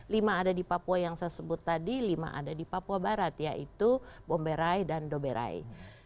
lima ada di papua yang saya sebut tadi lima ada di papua barat yaitu bomberai dan doberai